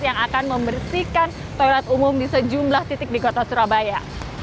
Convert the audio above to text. yang akan membersihkan toilet umum di sejumlah titik di kota surabaya